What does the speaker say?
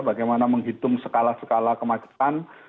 bagaimana menghitung skala skala kemacetan